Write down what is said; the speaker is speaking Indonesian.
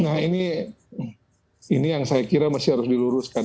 nah ini yang saya kira masih harus diluruskan